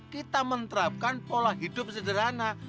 kita menerapkan pola hidup sederhana